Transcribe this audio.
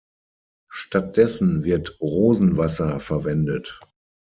Stattdessen wird Rosenwasser verwendet.